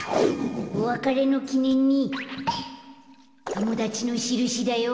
おわかれのきねんにともだちのしるしだよ。